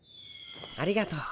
ありがとう。